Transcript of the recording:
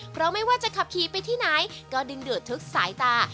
เพราะไม่ว่าจะขับขี่ไปที่ไหนก็ดึงดูดทุกสายตา